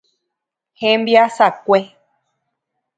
Hembiasakue.